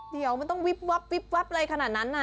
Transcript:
เดี๋ยวมันต้องวิบวับอะไรขนาดนั้น